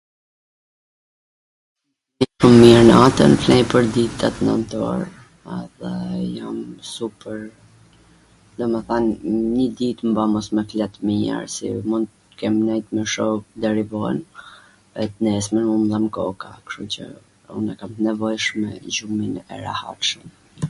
Natwn flej pwrdit tet nwnt or edhe jam supwr, domethan nji dit me ba me mos flet mir se un kam ndejt me shok deri von e t nesmen nuk ka, kwshtu qw un e kam t nevojshme gjumin e rahatshwm